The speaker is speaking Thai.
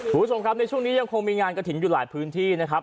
คุณผู้ชมครับในช่วงนี้ยังคงมีงานกระถิ่นอยู่หลายพื้นที่นะครับ